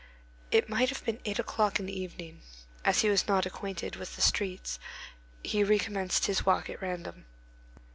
It might have been eight o'clock in the evening. As he was not acquainted with the streets, he recommenced his walk at random.